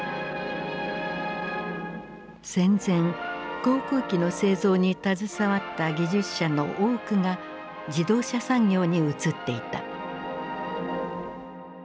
戦前航空機の製造に携わった技術者の多くが自動車産業に移っていた。